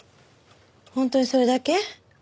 本当にそれだけ？